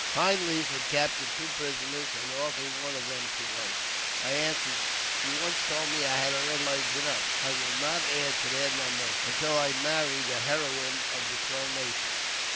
Pine Leaf had captured two prisoners, and offered me one of i them to wife. I answered, " You once told me I had already ; wives enough. I will not add to their number until I marry the heroine of the Crow nation."